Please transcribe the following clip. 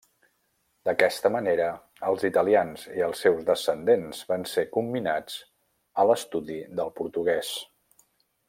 D'aquesta manera els italians i els seus descendents van ser comminats a l'estudi del portuguès.